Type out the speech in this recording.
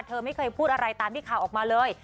เธอไม่เคยพูดอะไรตามที่ข่าวออกมาเลย